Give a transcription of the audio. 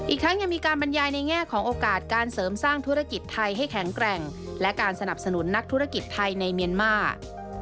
ทั้งยังมีการบรรยายในแง่ของโอกาสการเสริมสร้างธุรกิจไทยให้แข็งแกร่งและการสนับสนุนนักธุรกิจไทยในเมียนมาร์